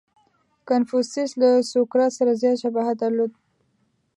• کنفوسیوس له سوکرات سره زیات شباهت درلود.